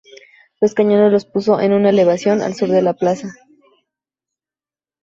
Los cañones los puso en una elevación al sur de la plaza.